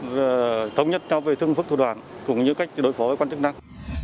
và thống nhất nhau về thương phức thủ đoàn cũng như cách đối phó với quan chức năng